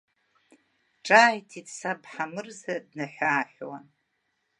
Ҿааиҭит саб Ҳамырза днаҳәы-ааҳәуа.